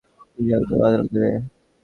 পূজা একদম আলাদা মেয়ে।